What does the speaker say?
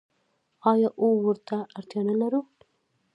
آیا او ورته اړتیا نلرو؟